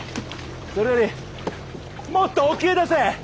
それよりもっと沖へ出せ。